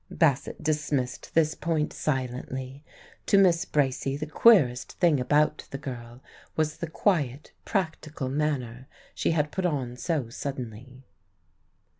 Bassett dismissed this point silently. To Miss Bracy the queerest thing about the girl was the quiet practical manner she had put on so suddenly.